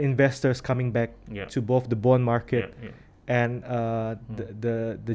investor asing kembali ke pasar keuangan